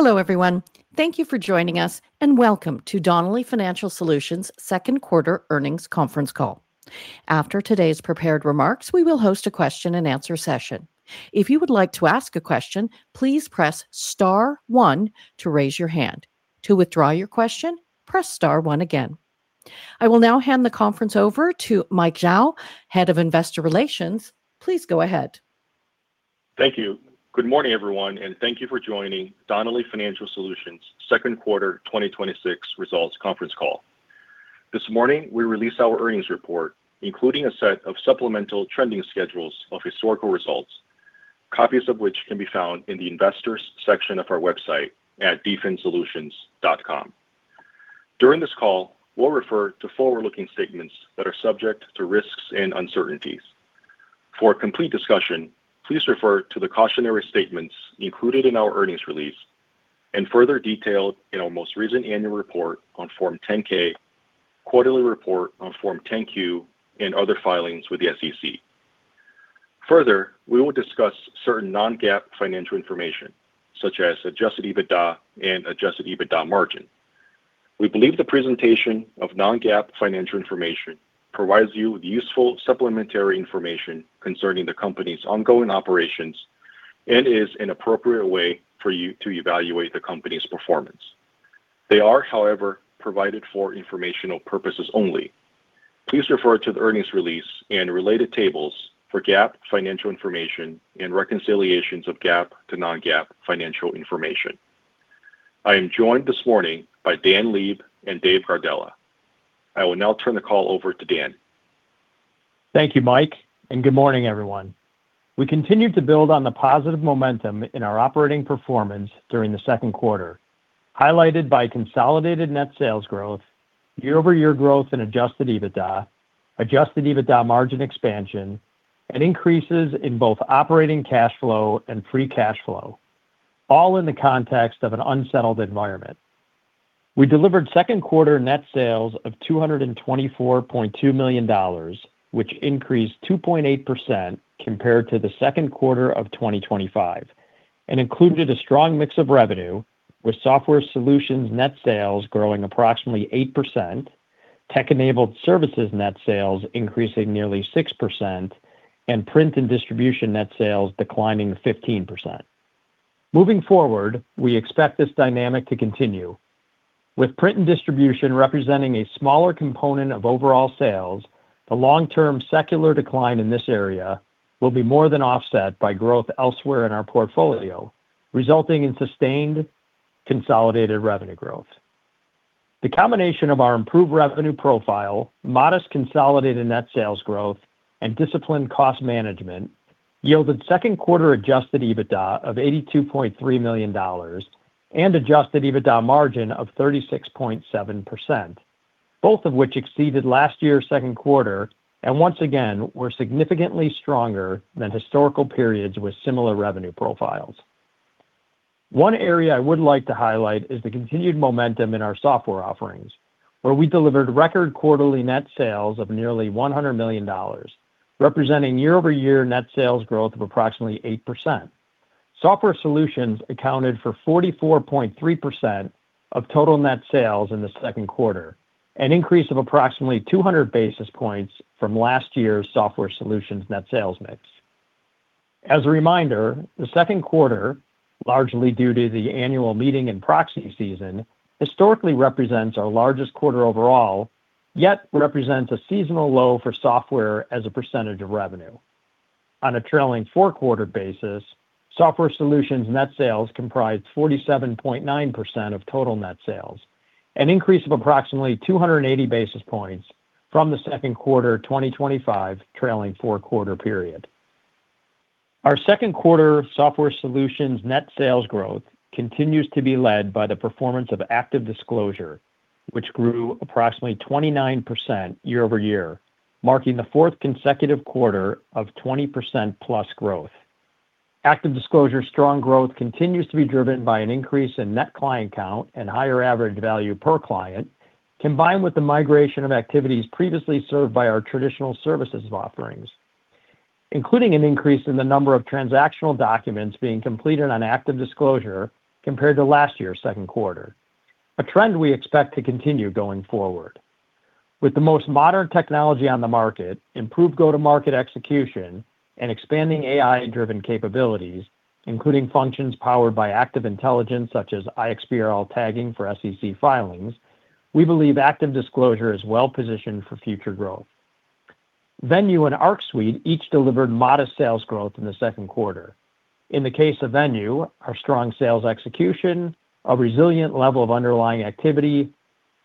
Hello, everyone. Thank you for joining us, and welcome to Donnelley Financial Solutions' second quarter earnings conference call. After today's prepared remarks, we will host a question and answer session. If you would like to ask a question, please press star one to raise your hand. To withdraw your question, press star one again. I will now hand the conference over to Mike Zhao, Head of Investor Relations. Please go ahead. Thank you. Good morning, everyone, and thank you for joining Donnelley Financial Solutions' second quarter 2026 results conference call. This morning, we released our earnings report, including a set of supplemental trending schedules of historical results, copies of which can be found in the investors section of our website at dfinsolutions.com. During this call, we will refer to forward-looking statements that are subject to risks and uncertainties. For a complete discussion, please refer to the cautionary statements included in our earnings release and further detailed in our most recent annual report on Form 10-K, quarterly report on Form 10-Q, and other filings with the SEC. We will discuss certain non-GAAP financial information, such as adjusted EBITDA and adjusted EBITDA margin. We believe the presentation of non-GAAP financial information provides you with useful supplementary information concerning the company's ongoing operations and is an appropriate way for you to evaluate the company's performance. They are, however, provided for informational purposes only. Please refer to the earnings release and related tables for GAAP financial information and reconciliations of GAAP to non-GAAP financial information. I am joined this morning by Dan Leib and Dave Gardella. I will now turn the call over to Dan. Thank you, Mike, and good morning, everyone. We continued to build on the positive momentum in our operating performance during the second quarter, highlighted by consolidated net sales growth, year-over-year growth in adjusted EBITDA, adjusted EBITDA margin expansion, and increases in both operating cash flow and free cash flow, all in the context of an unsettled environment. We delivered second quarter net sales of $224.2 million, which increased 2.8% compared to the second quarter of 2025 and included a strong mix of revenue with software solutions net sales growing approximately 8%, tech-enabled services net sales increasing nearly 6%, and print and distribution net sales declining 15%. Moving forward, we expect this dynamic to continue. With print and distribution representing a smaller component of overall sales, the long-term secular decline in this area will be more than offset by growth elsewhere in our portfolio, resulting in sustained consolidated revenue growth. The combination of our improved revenue profile, modest consolidated net sales growth, and disciplined cost management yielded second quarter adjusted EBITDA of $82.3 million and adjusted EBITDA margin of 36.7%, both of which exceeded last year's second quarter and once again were significantly stronger than historical periods with similar revenue profiles. One area I would like to highlight is the continued momentum in our software offerings, where we delivered record quarterly net sales of nearly $100 million, representing year-over-year net sales growth of approximately 8%. Software solutions accounted for 44.3% of total net sales in the second quarter, an increase of approximately 200 basis points from last year's software solutions net sales mix. As a reminder, the second quarter, largely due to the annual meeting and proxy season, historically represents our largest quarter overall, yet represents a seasonal low for software as a percentage of revenue. On a trailing four-quarter basis, software solutions net sales comprised 47.9% of total net sales, an increase of approximately 280 basis points from the second quarter 2025 trailing four-quarter period. Our second quarter software solutions net sales growth continues to be led by the performance of ActiveDisclosure, which grew approximately 29% year-over-year, marking the fourth consecutive quarter of 20%+ growth. ActiveDisclosure's strong growth continues to be driven by an increase in net client count and higher average value per client, combined with the migration of activities previously served by our traditional services offerings, including an increase in the number of transactional documents being completed on ActiveDisclosure compared to last year's second quarter, a trend we expect to continue going forward. With the most modern technology on the market, improved go-to-market execution, and expanding AI-driven capabilities, including functions powered by Active Intelligence, such as iXBRL tagging for SEC filings, we believe ActiveDisclosure is well-positioned for future growth. Venue and Arc Suite each delivered modest sales growth in the second quarter. In the case of Venue, our strong sales execution, a resilient level of underlying activity,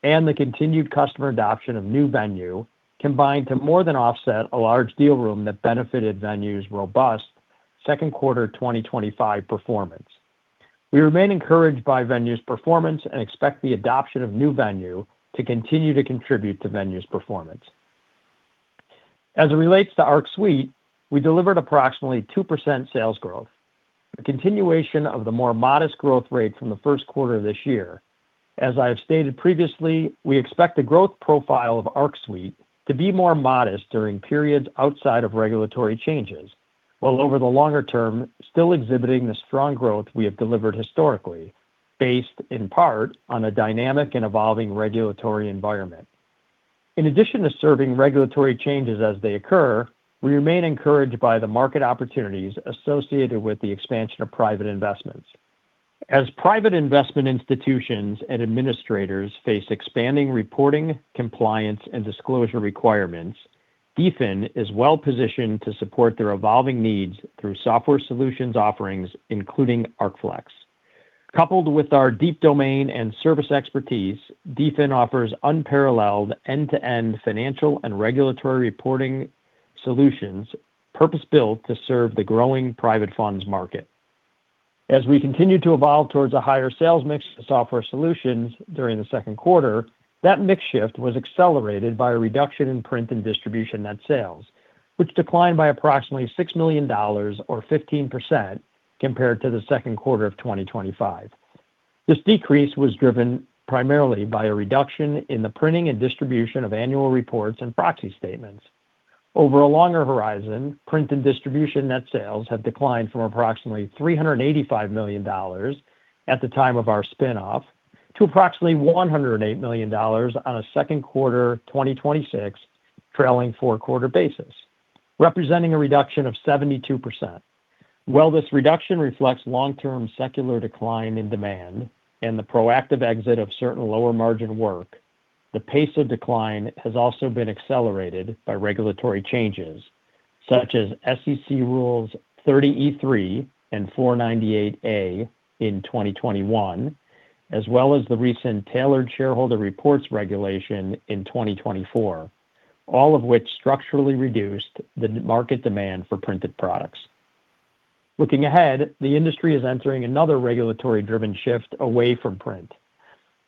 and the continued customer adoption of new Venue combined to more than offset a large deal room that benefited Venue's robust second quarter 2025 performance. We remain encouraged by Venue's performance and expect the adoption of new Venue to continue to contribute to Venue's performance. As it relates to Arc Suite, we delivered approximately 2% sales growth, a continuation of the more modest growth rate from the first quarter of this year. As I have stated previously, we expect the growth profile of Arc Suite to be more modest during periods outside of regulatory changes, while over the longer term, still exhibiting the strong growth we have delivered historically, based in part on a dynamic and evolving regulatory environment. In addition to serving regulatory changes as they occur, we remain encouraged by the market opportunities associated with the expansion of private investments. As private investment institutions and administrators face expanding reporting, compliance, and disclosure requirements, DFIN is well-positioned to support their evolving needs through software solutions offerings, including ArcFlex. Coupled with our deep domain and service expertise, DFIN offers unparalleled end-to-end financial and regulatory reporting solutions, purpose-built to serve the growing private funds market. As we continue to evolve towards a higher sales mix software solutions during the second quarter, that mix shift was accelerated by a reduction in print and distribution net sales, which declined by approximately $6 million, or 15%, compared to the second quarter of 2025. This decrease was driven primarily by a reduction in the printing and distribution of annual reports and proxy statements. Over a longer horizon, print and distribution net sales have declined from approximately $385 million at the time of our spinoff to approximately $108 million on a second quarter 2026 trailing four-quarter basis, representing a reduction of 72%. While this reduction reflects long-term secular decline in demand and the proactive exit of certain lower-margin work, the pace of decline has also been accelerated by regulatory changes, such as SEC Rule 30e-3 and Rule 498A in 2021, as well as the recent Tailored Shareholder Reports regulation in 2024, all of which structurally reduced the market demand for printed products. Looking ahead, the industry is entering another regulatory-driven shift away from print.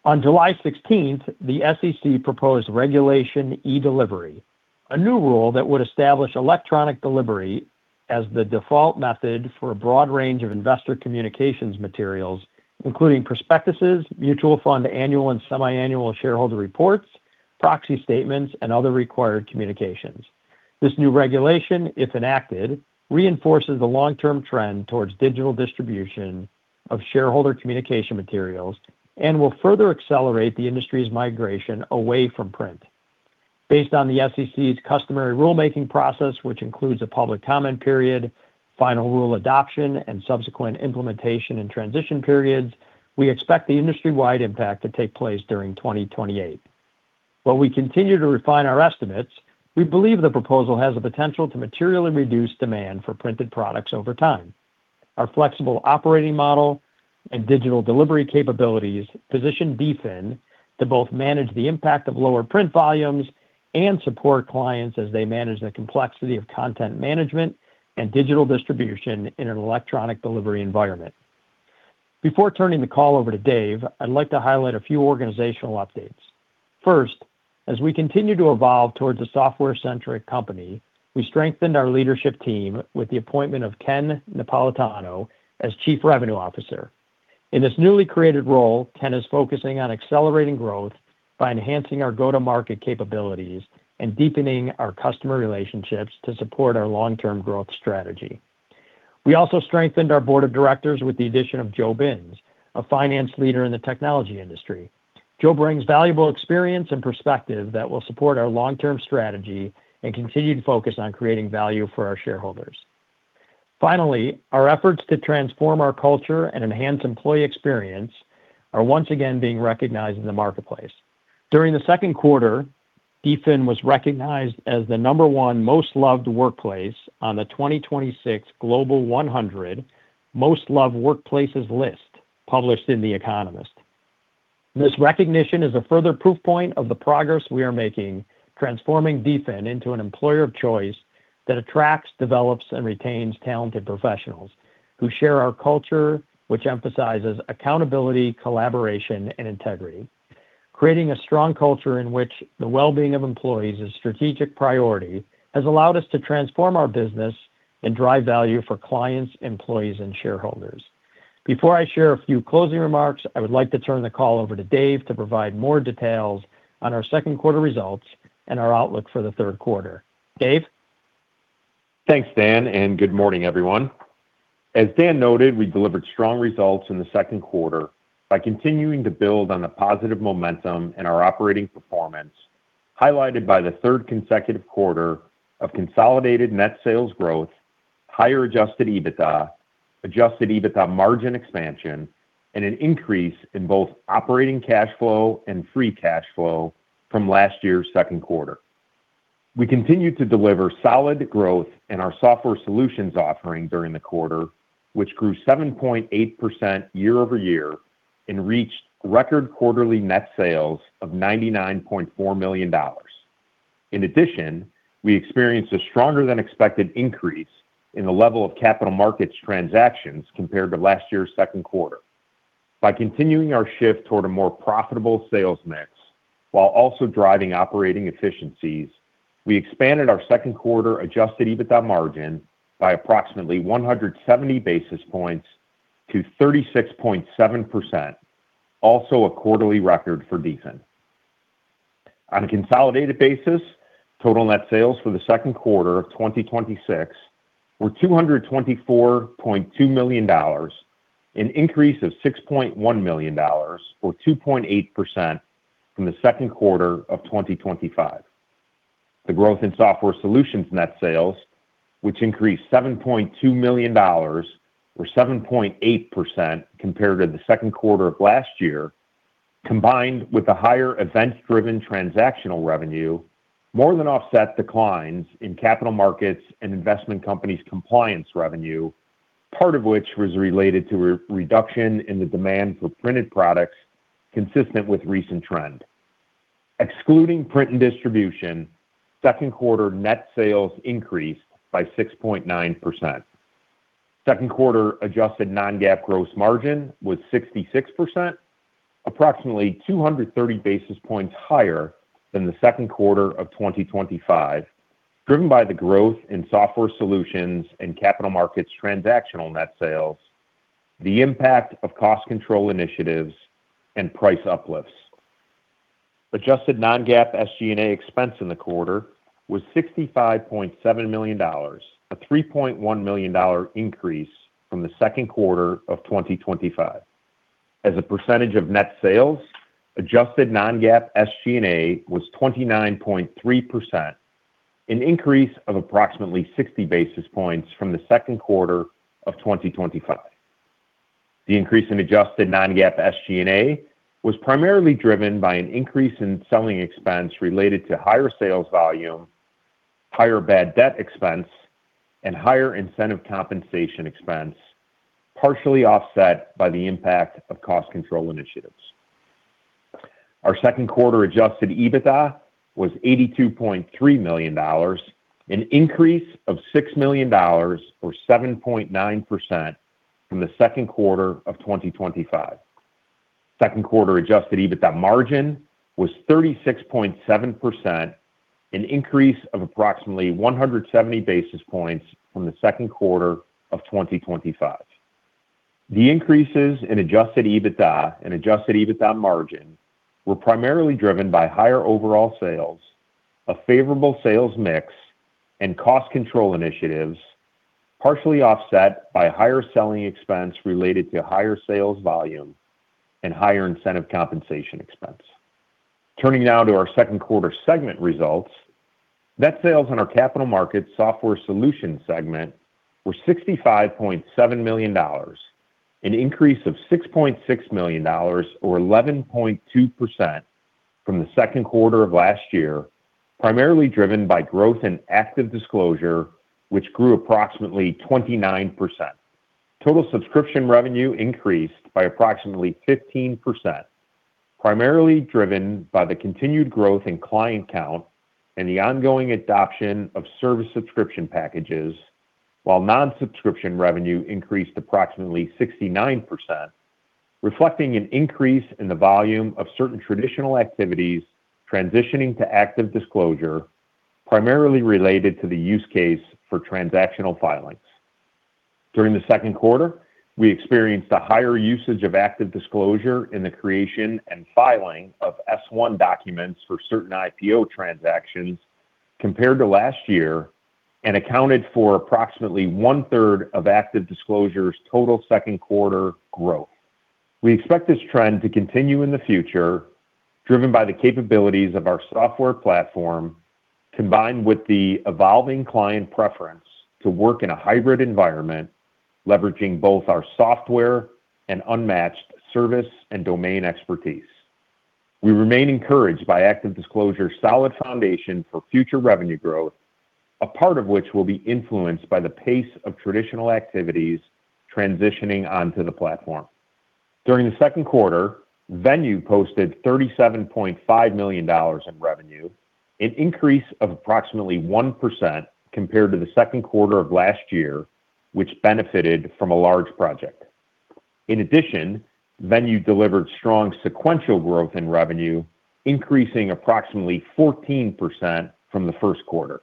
On July 16th, the SEC proposed Regulation E-Delivery, a new rule that would establish electronic delivery as the default method for a broad range of investor communications materials, including prospectuses, mutual fund annual and semiannual shareholder reports, proxy statements, and other required communications. This new regulation, if enacted, reinforces the long-term trend towards digital distribution of shareholder communication materials and will further accelerate the industry's migration away from print. Based on the SEC's customary rulemaking process, which includes a public comment period, final rule adoption, and subsequent implementation and transition periods, we expect the industry-wide impact to take place during 2028. While we continue to refine our estimates, we believe the proposal has the potential to materially reduce demand for printed products over time. Our flexible operating model and digital delivery capabilities position DFIN to both manage the impact of lower print volumes and support clients as they manage the complexity of content management and digital distribution in an electronic delivery environment. Before turning the call over to Dave, I'd like to highlight a few organizational updates. First, as we continue to evolve towards a software-centric company, we strengthened our leadership team with the appointment of Ken Napolitano as Chief Revenue Officer. In this newly created role, Ken is focusing on accelerating growth by enhancing our go-to-market capabilities and deepening our customer relationships to support our long-term growth strategy. We also strengthened our board of directors with the addition of Joe Binz, a finance leader in the technology industry. Joe brings valuable experience and perspective that will support our long-term strategy and continued focus on creating value for our shareholders. Finally, our efforts to transform our culture and enhance employee experience are once again being recognized in the marketplace. During the second quarter, DFIN was recognized as the number one most loved workplace on the 2026 Global 100 Most Loved Workplaces list, published in The Economist. This recognition is a further proof point of the progress we are making, transforming DFIN into an employer of choice that attracts, develops, and retains talented professionals who share our culture, which emphasizes accountability, collaboration, and integrity. Creating a strong culture in which the well-being of employees is a strategic priority has allowed us to transform our business and drive value for clients, employees, and shareholders. Before I share a few closing remarks, I would like to turn the call over to Dave to provide more details on our second quarter results and our outlook for the third quarter. Dave? Thanks, Dan, and good morning, everyone. As Dan noted, we delivered strong results in the second quarter by continuing to build on the positive momentum in our operating performance, highlighted by the third consecutive quarter of consolidated net sales growth, higher adjusted EBITDA, adjusted EBITDA margin expansion, and an increase in both operating cash flow and free cash flow from last year's second quarter. We continued to deliver solid growth in our software solutions offering during the quarter, which grew 7.8% year-over-year and reached record quarterly net sales of $99.4 million. In addition, we experienced a stronger-than-expected increase in the level of capital markets transactions compared to last year's second quarter. By continuing our shift toward a more profitable sales mix while also driving operating efficiencies, we expanded our second quarter adjusted EBITDA margin by approximately 170 basis points to 36.7%, also a quarterly record for DFIN. On a consolidated basis, total net sales for the second quarter of 2026 were $224.2 million, an increase of $6.1 million or 2.8% from the second quarter of 2025. The growth in software solutions net sales, which increased $7.2 million or 7.8% compared to the second quarter of last year, combined with the higher event-driven transactional revenue, more than offset declines in capital markets and investment companies' compliance revenue, part of which was related to a reduction in the demand for printed products, consistent with recent trend. Excluding print and distribution, second quarter net sales increased by 6.9%. Second quarter adjusted non-GAAP gross margin was 66%, approximately 230 basis points higher than the second quarter of 2025, driven by the growth in software solutions and capital markets transactional net sales, the impact of cost control initiatives, and price uplifts. Adjusted non-GAAP SG&A expense in the quarter was $65.7 million, a $3.1 million increase from the second quarter of 2025. As a percentage of net sales, adjusted non-GAAP SG&A was 29.3%, an increase of approximately 60 basis points from the second quarter of 2025. The increase in adjusted non-GAAP SG&A was primarily driven by an increase in selling expense related to higher sales volume, higher bad debt expense, and higher incentive compensation expense, partially offset by the impact of cost control initiatives. Our second quarter adjusted EBITDA was $82.3 million, an increase of $6 million or 7.9% from the second quarter of 2025. Second quarter adjusted EBITDA margin was 36.7%, an increase of approximately 170 basis points from the second quarter of 2025. The increases in adjusted EBITDA and adjusted EBITDA margin were primarily driven by higher overall sales, a favorable sales mix, and cost control initiatives, partially offset by higher selling expense related to higher sales volume and higher incentive compensation expense. Turning now to our second quarter segment results. Net sales in our Capital Markets Software Solutions segment were $65.7 million, an increase of $6.6 million or 11.2% from the second quarter of last year, primarily driven by growth in ActiveDisclosure, which grew approximately 29%. Total subscription revenue increased by approximately 15%, primarily driven by the continued growth in client count and the ongoing adoption of service subscription packages, while non-subscription revenue increased approximately 69%, reflecting an increase in the volume of certain traditional activities transitioning to ActiveDisclosure, primarily related to the use case for transactional filings. During the second quarter, we experienced a higher usage of ActiveDisclosure in the creation and filing of S-1 documents for certain IPO transactions compared to last year and accounted for approximately 1/3 of ActiveDisclosure's total second quarter growth. We expect this trend to continue in the future, driven by the capabilities of our software platform, combined with the evolving client preference to work in a hybrid environment, leveraging both our software and unmatched service and domain expertise. We remain encouraged by ActiveDisclosure's solid foundation for future revenue growth, a part of which will be influenced by the pace of traditional activities transitioning onto the platform. During the second quarter, Venue posted $37.5 million in revenue, an increase of approximately 1% compared to the second quarter of last year, which benefited from a large project. In addition, Venue delivered strong sequential growth in revenue, increasing approximately 14% from the first quarter.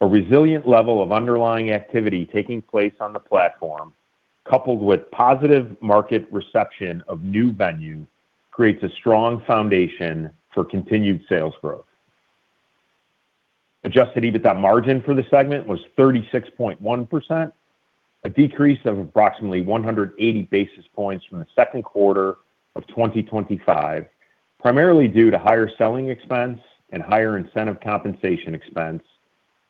A resilient level of underlying activity taking place on the platform, coupled with positive market reception of new Venue, creates a strong foundation for continued sales growth. Adjusted EBITDA margin for the segment was 36.1%, a decrease of approximately 180 basis points from the second quarter of 2025, primarily due to higher selling expense and higher incentive compensation expense,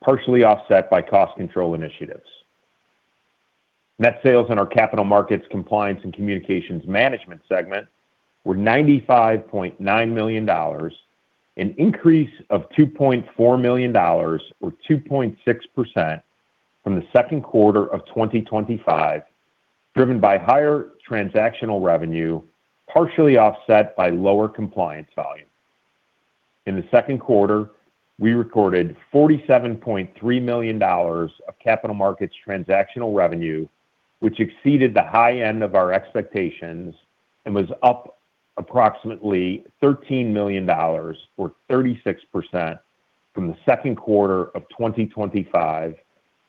partially offset by cost control initiatives. Net sales in our Capital Markets Compliance and Communications Management segment were $95.9 million, an increase of $2.4 million or 2.6% from the second quarter of 2025, driven by higher transactional revenue, partially offset by lower compliance volume. In the second quarter, we recorded $47.3 million of capital markets transactional revenue, which exceeded the high end of our expectations and was up approximately $13 million, or 36%, from the second quarter of 2025,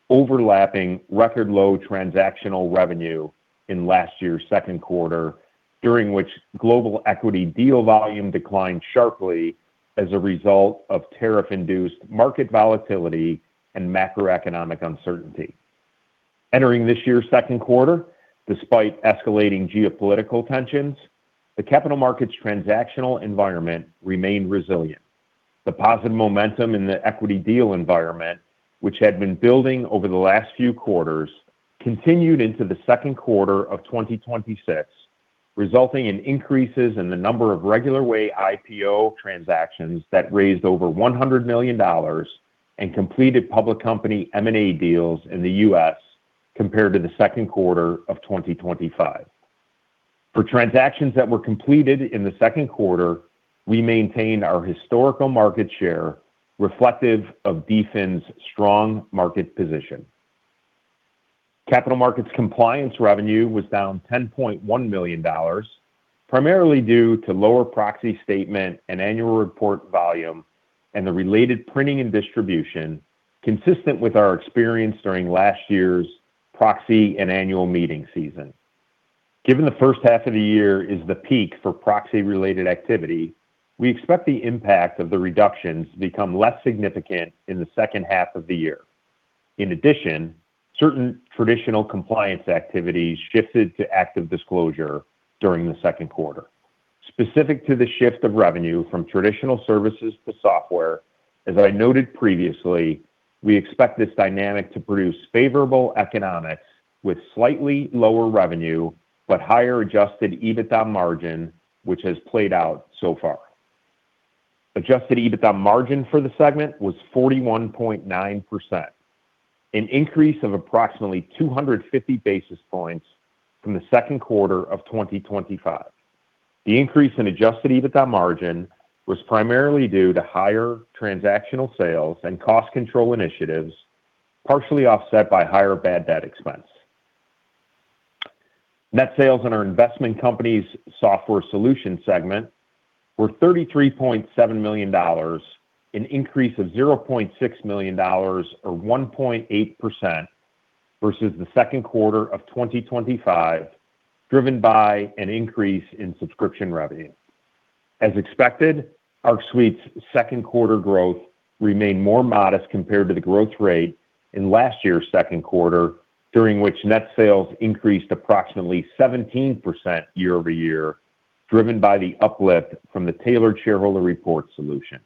overlapping record low transactional revenue in last year's second quarter, during which global equity deal volume declined sharply as a result of tariff-induced market volatility and macroeconomic uncertainty. Entering this year's second quarter, despite escalating geopolitical tensions, the capital markets transactional environment remained resilient. The positive momentum in the equity deal environment, which had been building over the last few quarters, continued into the second quarter of 2026, resulting in increases in the number of regular way IPO transactions that raised over $100 million and completed public company M&A deals in the U.S. compared to the second quarter of 2025. For transactions that were completed in the second quarter, we maintained our historical market share, reflective of DFIN's strong market position. Capital markets compliance revenue was down $10.1 million, primarily due to lower proxy statement and annual report volume and the related printing and distribution, consistent with our experience during last year's proxy and annual meeting season. Given the first half of the year is the peak for proxy-related activity, we expect the impact of the reductions to become less significant in the second half of the year. In addition, certain traditional compliance activities shifted to ActiveDisclosure during the second quarter. Specific to the shift of revenue from traditional services to software, as I noted previously, we expect this dynamic to produce favorable economics with slightly lower revenue, but higher adjusted EBITDA margin, which has played out so far. Adjusted EBITDA margin for the segment was 41.9%, an increase of approximately 250 basis points from the second quarter of 2025. The increase in adjusted EBITDA margin was primarily due to higher transactional sales and cost control initiatives, partially offset by higher bad debt expense. Net sales in our Investment Companies Software Solution segment were $30.7 million, an increase of $0.6 million, or 1.8% versus the second quarter of 2025, driven by an increase in subscription revenue. As expected, our Arc Suite's second quarter growth remained more modest compared to the growth rate in last year's second quarter, during which net sales increased approximately 17% year-over-year, driven by the uplift from the Tailored Shareholder Reports solution.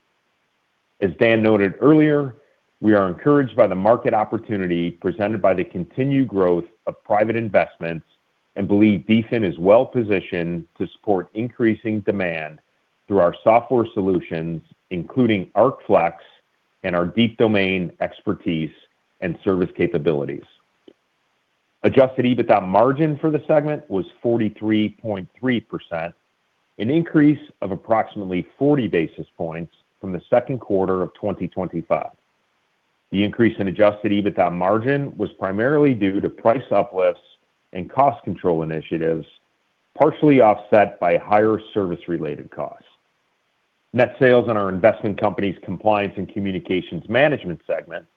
As Dan noted earlier, we are encouraged by the market opportunity presented by the continued growth of private investments and believe DFIN is well-positioned to support increasing demand through our software solutions, including ArcFlex and our deep domain expertise and service capabilities. Adjusted EBITDA margin for the segment was 43.3%, an increase of approximately 40 basis points from the second quarter of 2025. The increase in adjusted EBITDA margin was primarily due to price uplifts and cost control initiatives, partially offset by higher service-related costs. Net sales in our Investment Companies Compliance and Communications Management segment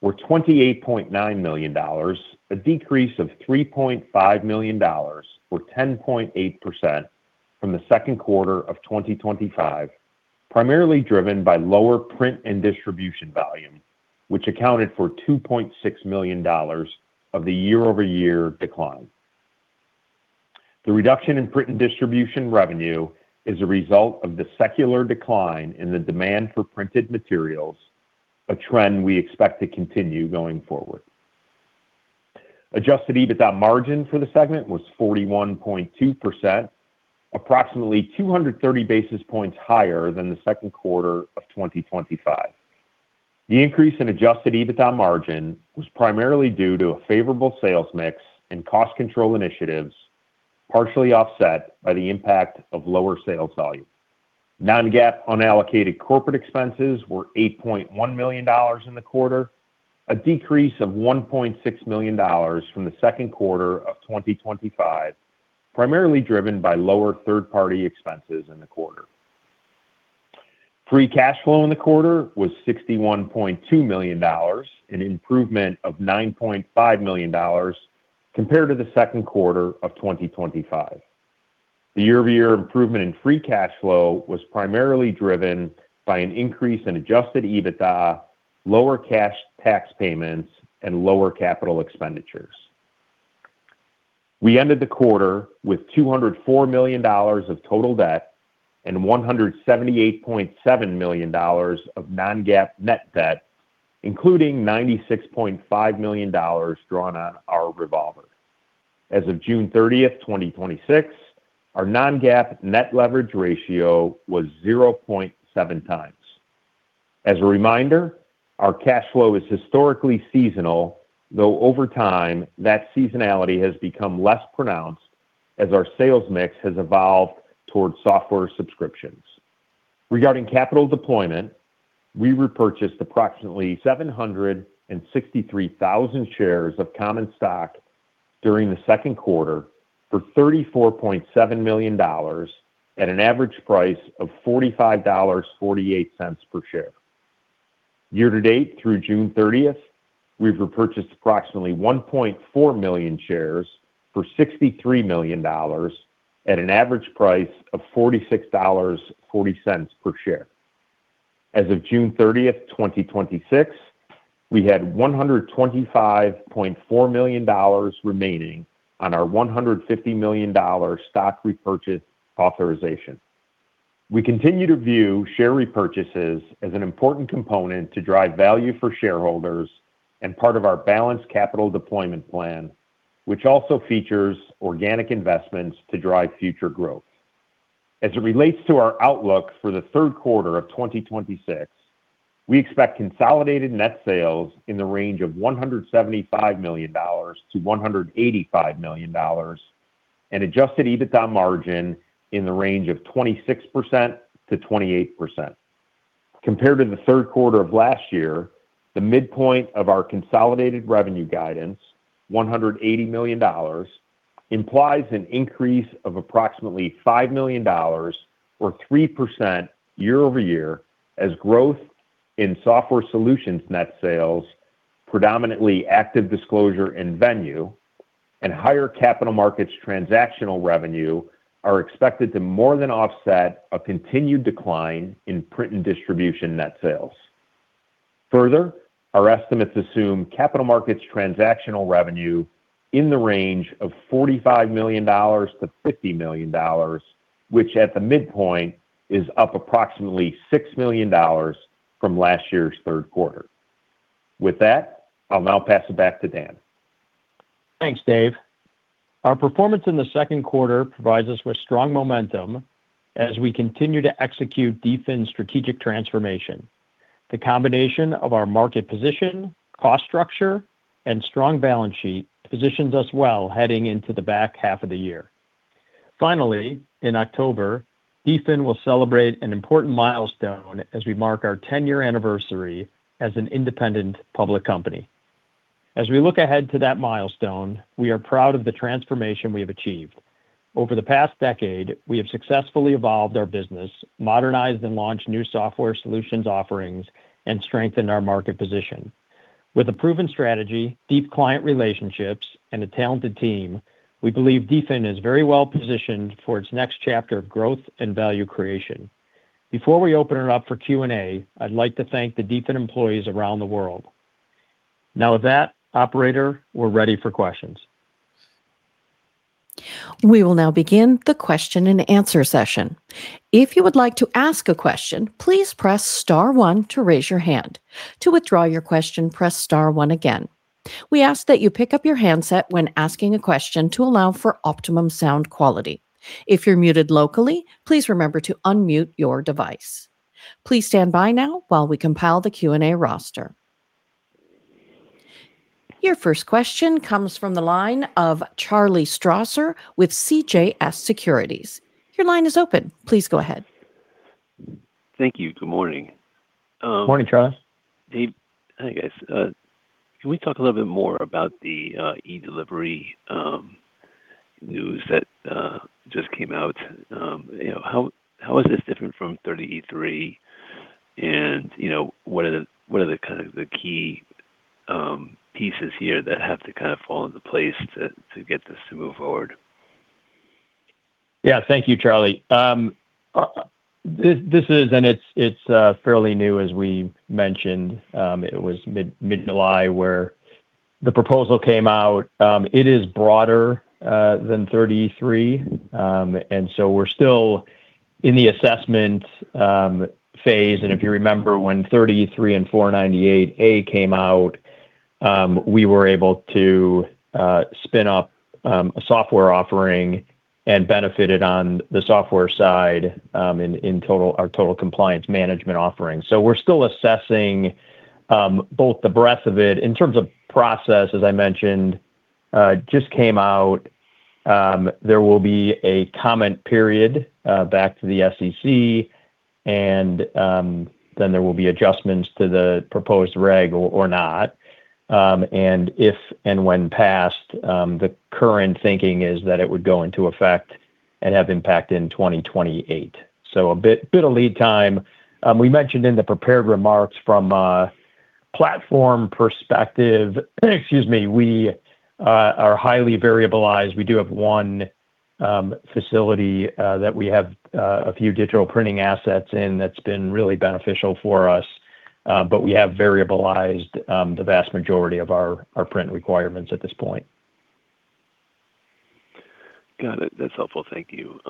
were $28.9 million, a decrease of $3.5 million, or 10.8% from the second quarter of 2025, primarily driven by lower print and distribution volume, which accounted for $2.6 million of the year-over-year decline. The reduction in print and distribution revenue is a result of the secular decline in the demand for printed materials, a trend we expect to continue going forward. Adjusted EBITDA margin for the segment was 41.2%, approximately 230 basis points higher than the second quarter of 2025. The increase in adjusted EBITDA margin was primarily due to a favorable sales mix and cost control initiatives, partially offset by the impact of lower sales volume. Non-GAAP unallocated corporate expenses were $8.1 million in the quarter, a decrease of $1.6 million from the second quarter of 2025, primarily driven by lower third-party expenses in the quarter. Free cash flow in the quarter was $61.2 million, an improvement of $9.5 million compared to the second quarter of 2025. The year-over-year improvement in free cash flow was primarily driven by an increase in adjusted EBITDA, lower cash tax payments, and lower capital expenditures. We ended the quarter with $204 million of total debt and $178.7 million of non-GAAP net debt, including $96.5 million drawn on our revolver. As of June 30th, 2026, our non-GAAP net leverage ratio was 0.7x. As a reminder, our cash flow is historically seasonal, though over time, that seasonality has become less pronounced as our sales mix has evolved towards software subscriptions. Regarding capital deployment, we repurchased approximately 763,000 shares of common stock during the second quarter for $34.7 million at an average price of $45.48 per share. Year to date through June 30th, we've repurchased approximately 1.4 million shares for $63 million at an average price of $46.40 per share. As of June 30th, 2026, we had $125.4 million remaining on our $150 million stock repurchase authorization. We continue to view share repurchases as an important component to drive value for shareholders and part of our balanced capital deployment plan, which also features organic investments to drive future growth. As it relates to our outlook for the third quarter of 2026, we expect consolidated net sales in the range of $175 million-$185 million, and adjusted EBITDA margin in the range of 26%-28%. Compared to the third quarter of last year, the midpoint of our consolidated revenue guidance, $180 million, implies an increase of approximately $5 million or 3% year-over-year as growth in software solutions net sales, predominantly ActiveDisclosure and Venue, and higher capital markets transactional revenue are expected to more than offset a continued decline in print and distribution net sales. Further, our estimates assume capital markets transactional revenue in the range of $45 million-$50 million, which at the midpoint is up approximately $6 million from last year's third quarter. With that, I'll now pass it back to Dan. Thanks, Dave. Our performance in the second quarter provides us with strong momentum as we continue to execute DFIN's strategic transformation. The combination of our market position, cost structure, and strong balance sheet positions us well heading into the back half of the year. Finally, in October, DFIN will celebrate an important milestone as we mark our 10-year anniversary as an independent public company. As we look ahead to that milestone, we are proud of the transformation we have achieved. Over the past decade, we have successfully evolved our business, modernized and launched new software solutions offerings, and strengthened our market position. With a proven strategy, deep client relationships, and a talented team, we believe DFIN is very well-positioned for its next chapter of growth and value creation. Before we open it up for Q&A, I'd like to thank the DFIN employees around the world. Now with that, operator, we're ready for questions. We will now begin the question and answer session. If you would like to ask a question, please press star one to raise your hand. To withdraw your question, press star one again. We ask that you pick up your handset when asking a question to allow for optimum sound quality. If you're muted locally, please remember to unmute your device. Please stand by now while we compile the Q&A roster. Your first question comes from the line of Charles Strauzer with CJS Securities. Your line is open. Please go ahead. Thank you. Good morning. Morning, Charlie. Dave. Hi, guys. Can we talk a little bit more about the e-delivery news that just came out? How is this different from 30e-3, and what are the kind of the key pieces here that have to kind of fall into place to get this to move forward? Yeah, thank you, Charlie. It's fairly new, as we mentioned. It was mid-July where the proposal came out. It is broader than 30e-3. We're still in the assessment phase. If you remember when 30e-3 and 498A came out, we were able to spin up a software offering and benefited on the software side in our total compliance management offering. We're still assessing both the breadth of it. In terms of process, as I mentioned, just came out. There will be a comment period back to the SEC, then there will be adjustments to the proposed reg or not. If and when passed, the current thinking is that it would go into effect and have impact in 2028. A bit of lead time. We mentioned in the prepared remarks from a platform perspective, we are highly variabilized. We do have one facility that we have a few digital printing assets in that's been really beneficial for us. We have variabilized the vast majority of our print requirements at this point. Got it. That's helpful. Thank you.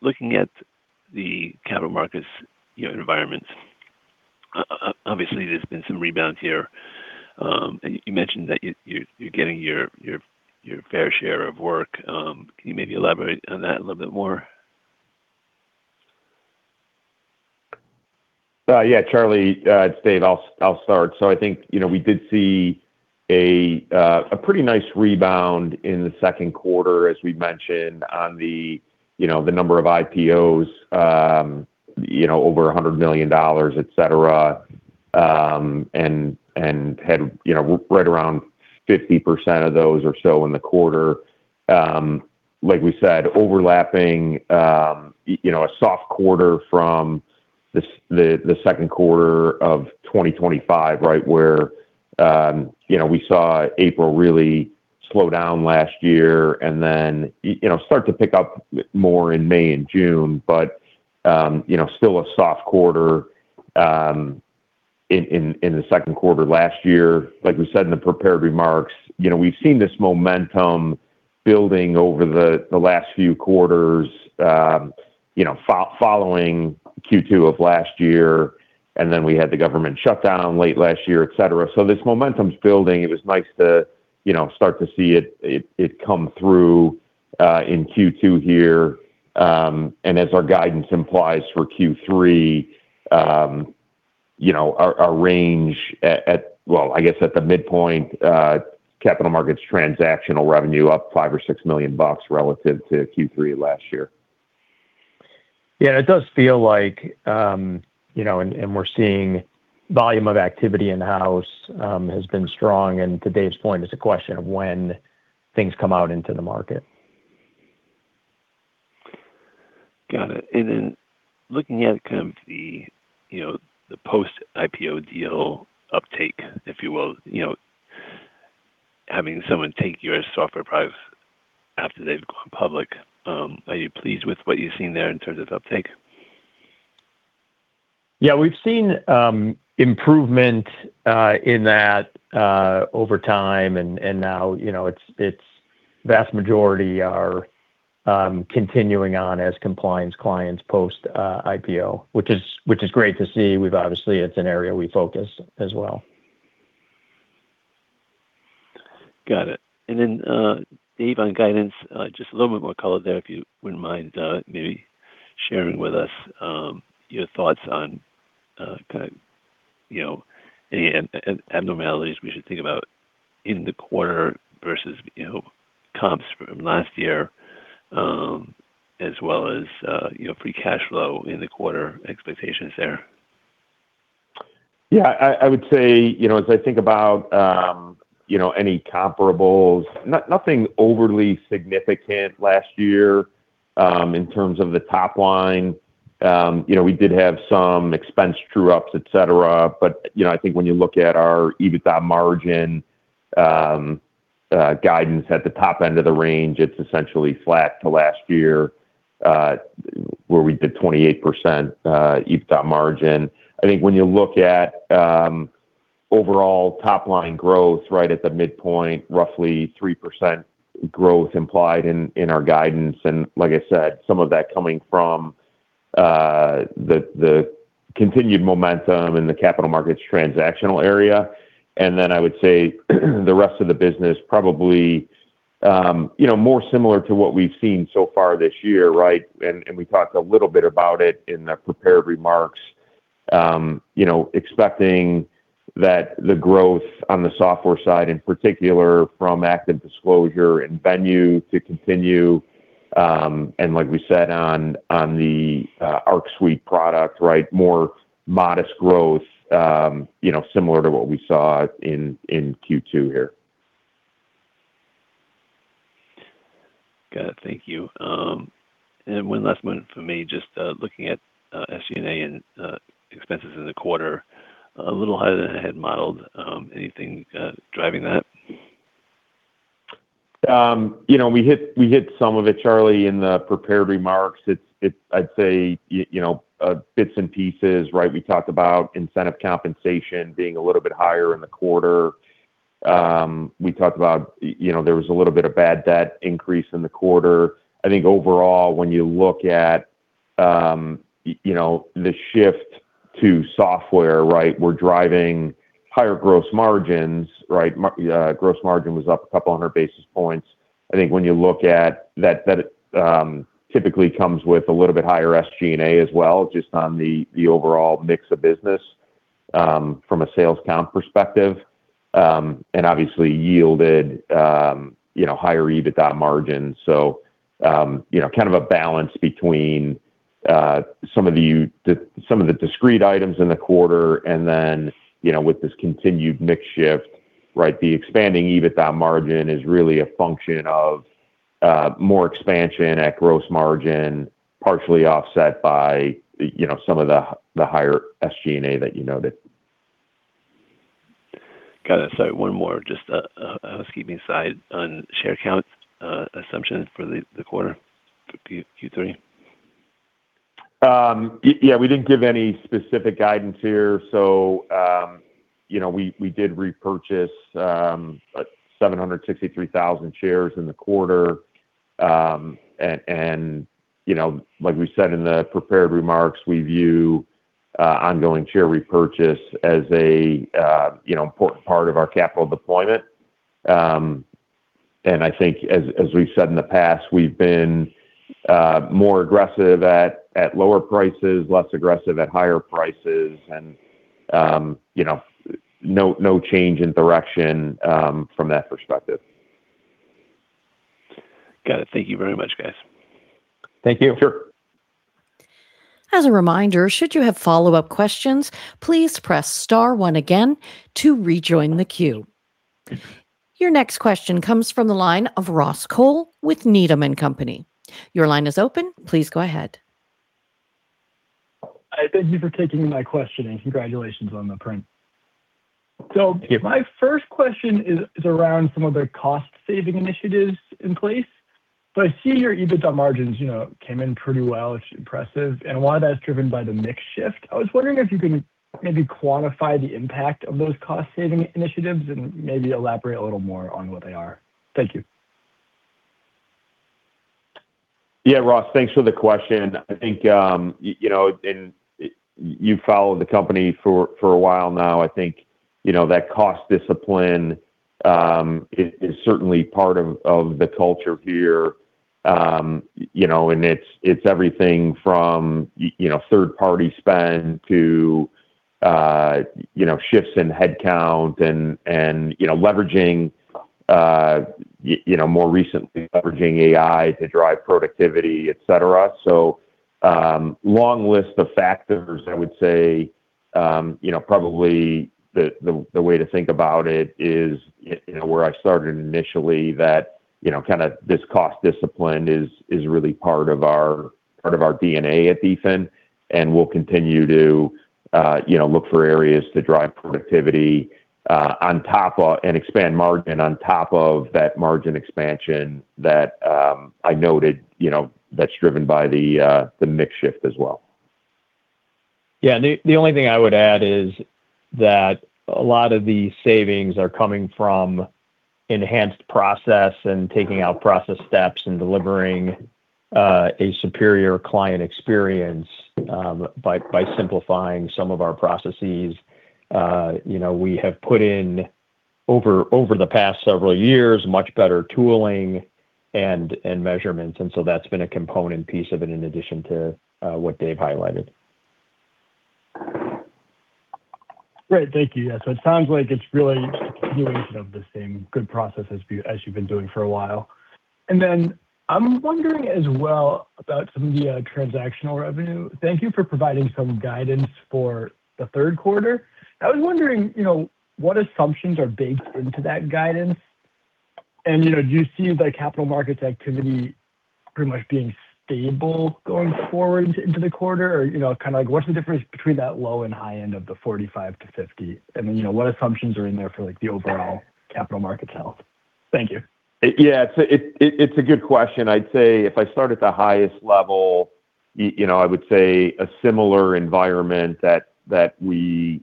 Looking at the capital markets environment, obviously, there's been some rebound here. You mentioned that you're getting your fair share of work. Can you maybe elaborate on that a little bit more? Charlie, it's Dave. I'll start. I think we did see a pretty nice rebound in the second quarter, as we mentioned on the number of IPOs over $100 million, et cetera, and had right around 50% of those or so in the quarter. Like we said, overlapping a soft quarter from the second quarter of 2025, where we saw April really slow down last year and then start to pick up more in May and June. Still a soft quarter in the second quarter last year. Like we said in the prepared remarks, we've seen this momentum building over the last few quarters following Q2 of last year, we had the government shutdown late last year, et cetera. This momentum's building. It was nice to start to see it come through in Q2 here. As our guidance implies for Q3, our range at, well, I guess at the midpoint, capital markets transactional revenue up $5 million or $6 million relative to Q3 last year. It does feel like, we're seeing volume of activity in-house has been strong. To Dave's point, it's a question of when things come out into the market. Got it. Looking at kind of the post-IPO deal uptake, if you will, having someone take you as software private after they've gone public, are you pleased with what you've seen there in terms of uptake? Yeah, we've seen improvement in that over time, and now its vast majority are continuing on as compliance clients post-IPO, which is great to see. Obviously, it's an area we focus as well. Got it. Dave, on guidance, just a little bit more color there, if you wouldn't mind maybe sharing with us your thoughts on kind of any abnormalities we should think about in the quarter versus comps from last year, as well as free cash flow in the quarter, expectations there. I would say, as I think about any comparables, nothing overly significant last year in terms of the top line. We did have some expense true-ups, et cetera. I think when you look at our EBITDA margin guidance at the top end of the range, it's essentially flat to last year, where we did 28% EBITDA margin. I think when you look at overall top-line growth right at the midpoint, roughly 3% growth implied in our guidance. Like I said, some of that coming from the continued momentum in the capital markets transactional area. I would say the rest of the business probably more similar to what we've seen so far this year, right? We talked a little bit about it in the prepared remarks. Expecting that the growth on the software side, in particular from ActiveDisclosure and Venue, to continue. Like we said on the Arc Suite product, more modest growth similar to what we saw in Q2 here. Got it. Thank you. One last one from me, just looking at SG&A and expenses in the quarter, a little higher than I had modeled. Anything driving that? We hit some of it, Charlie, in the prepared remarks. I'd say bits and pieces. We talked about incentive compensation being a little bit higher in the quarter. We talked about there was a little bit of bad debt increase in the quarter. I think overall, when you look at the shift to software, we're driving higher gross margins. Gross margin was up a couple hundred basis points. I think when you look at that typically comes with a little bit higher SG&A as well, just on the overall mix of business from a sales count perspective. Obviously yielded higher EBITDA margins. Kind of a balance between some of the discrete items in the quarter and then with this continued mix shift, the expanding EBITDA margin is really a function of more expansion at gross margin, partially offset by some of the higher SG&A that you noted. Got it. Sorry, one more, just a housekeeping aside on share count assumption for the quarter for Q3. Yeah, we didn't give any specific guidance here. We did repurchase 763,000 shares in the quarter. Like we said in the prepared remarks, we view ongoing share repurchase as an important part of our capital deployment. I think as we've said in the past, we've been more aggressive at lower prices, less aggressive at higher prices, and no change in direction from that perspective. Got it. Thank you very much, guys. Thank you. Sure. As a reminder, should you have follow-up questions, please press star one again to rejoin the queue. Your next question comes from the line of Ross Cole with Needham & Company. Your line is open. Please go ahead. I thank you for taking my question and congratulations on the print. Thank you. My first question is around some of the cost-saving initiatives in place. I see your EBITDA margins came in pretty well, it's impressive, and a lot of that's driven by the mix shift. I was wondering if you can maybe quantify the impact of those cost-saving initiatives and maybe elaborate a little more on what they are. Thank you. Yeah, Ross, thanks for the question. You've followed the company for a while now. I think that cost discipline is certainly part of the culture here. It's everything from third-party spend to shifts in headcount and more recently, leveraging AI to drive productivity, et cetera. Long list of factors, I would say probably the way to think about it is where I started initially, that this cost discipline is really part of our DNA at DFIN and will continue to look for areas to drive productivity and expand margin on top of that margin expansion that I noted that's driven by the mix shift as well. Yeah. The only thing I would add is that a lot of the savings are coming from enhanced process and taking out process steps and delivering a superior client experience by simplifying some of our processes. We have put in over the past several years much better tooling and measurements and so that's been a component piece of it in addition to what Dave highlighted. Great. Thank you. It sounds like it's really a continuation of the same good process as you've been doing for a while. I'm wondering as well about some of the transactional revenue. Thank you for providing some guidance for the third quarter. I was wondering what assumptions are baked into that guidance, and do you see the capital markets activity pretty much being stable going forward into the quarter? What's the difference between that low and high end of the $45 million-$50 million, and what assumptions are in there for the overall capital markets health? Thank you. It's a good question. I'd say if I start at the highest level, I would say a similar environment that we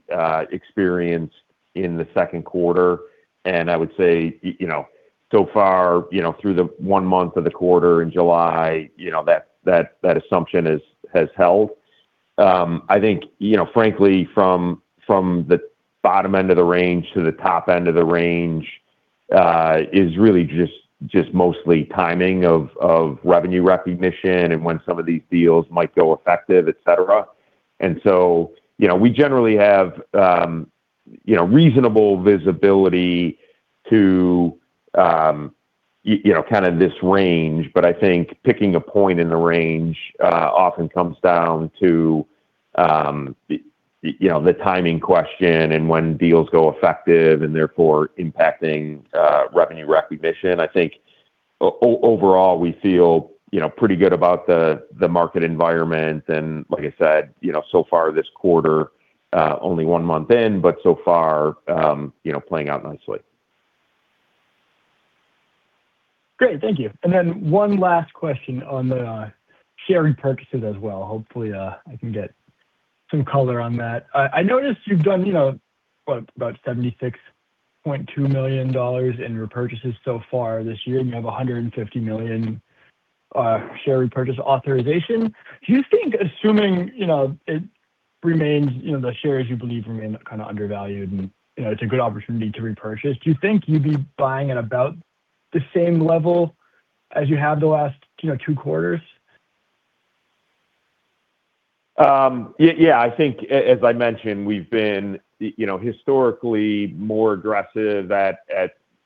experienced in the second quarter, and I would say so far through the one month of the quarter in July, that assumption has held. I think frankly from the bottom end of the range to the top end of the range is really just mostly timing of revenue recognition and when some of these deals might go effective, et cetera. We generally have reasonable visibility to this range, but I think picking a point in the range often comes down to the timing question and when deals go effective and therefore impacting revenue recognition. I think overall we feel pretty good about the market environment and like I said, so far this quarter, only one month in, but so far playing out nicely. Great. Thank you. One last question on the share repurchases as well. Hopefully I can get some color on that. I noticed you've done about $76.2 million in repurchases so far this year and you have $150 million share repurchase authorization. Do you think assuming the shares you believe remain kind of undervalued and it's a good opportunity to repurchase, do you think you'd be buying at about the same level as you have the last two quarters? I think as I mentioned, we've been historically more aggressive at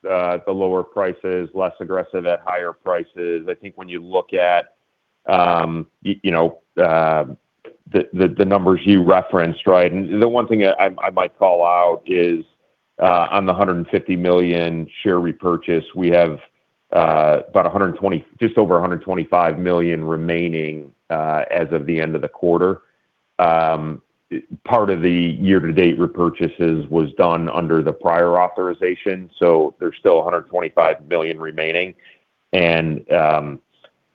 the lower prices, less aggressive at higher prices. I think when you look at the numbers you referenced, right? The one thing I might call out is on the $150 million share repurchase, we have just over $125 million remaining as of the end of the quarter. Part of the year-to-date repurchases was done under the prior authorization, so there's still $125 million remaining. I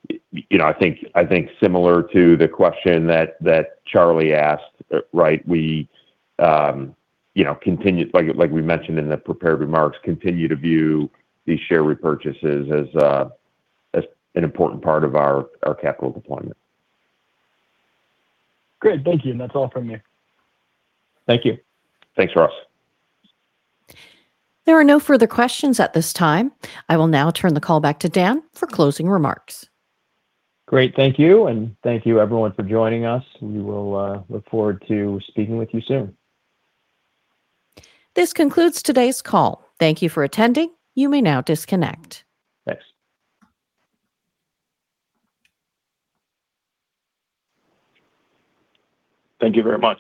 think similar to the question that Charlie asked, like we mentioned in the prepared remarks, continue to view these share repurchases as an important part of our capital deployment. Great. Thank you. That's all from me. Thank you. Thanks, Ross. There are no further questions at this time. I will now turn the call back to Dan for closing remarks. Great. Thank you, and thank you everyone for joining us. We will look forward to speaking with you soon. This concludes today's call. Thank you for attending. You may now disconnect. Thanks. Thank you very much.